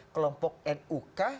kelompok nu kah